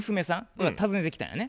これが訪ねてきたんやね。